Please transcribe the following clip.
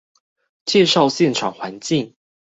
介紹現場環境